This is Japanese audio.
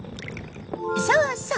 そうそう！